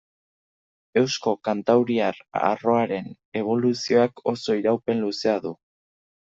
Eusko-kantauriar arroaren eboluzioak oso iraupen luzea du.